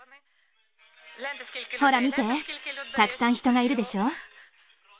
ほら見て、たくさん人がいるでしょ。